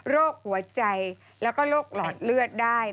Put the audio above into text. โรคหัวใจแล้วก็โรคหลอดเลือดได้